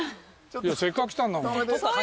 せっかく来たんだもん。